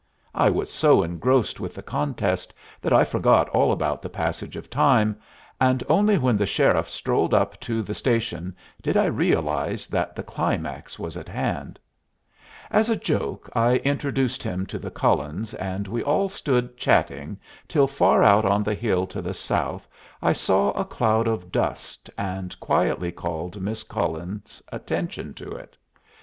I was so engrossed with the contest that I forgot all about the passage of time, and only when the sheriff strolled up to the station did I realize that the climax was at hand. As a joke I introduced him to the Cullens, and we all stood chatting till far out on the hill to the south I saw a cloud of dust and quietly called Miss Cullen's attention to it.